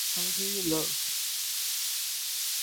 How Do You Love?